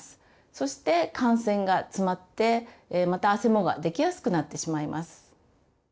そして汗腺が詰まってまたあせもができやすくなってしまいます。